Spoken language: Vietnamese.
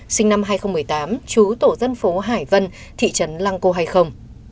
sinh năm hai nghìn một mươi tám chú tổ dân phố hải vân thị trấn lăng cô hay không